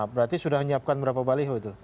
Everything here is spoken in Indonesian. berarti sudah menyiapkan berapa baliho itu